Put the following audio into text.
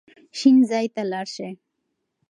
شین ځای ته لاړ شئ.